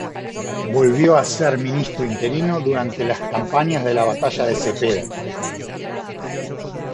Volvió a ser ministro interino durante las campañas de la Batalla de Cepeda.